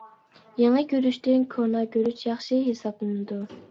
يېڭى گۈرۈچتىن كونا گۈرۈچ ياخشى ھېسابلىنىدۇ.